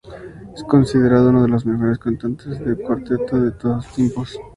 Es considerado uno de los mejores cantantes de cuarteto de todos los tiempos.